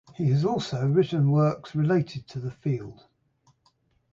He has also written works related to the field.